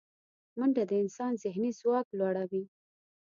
منډه د انسان ذهني ځواک لوړوي